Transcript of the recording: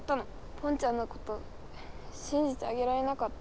ポンちゃんのことしんじてあげられなかった。